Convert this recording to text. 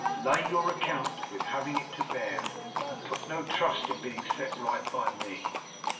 Lay your account with having it to bear, and put no trust in being set right by me.